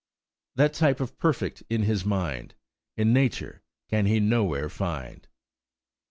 "That type of Perfect in his mind, In Nature can he nowhere find."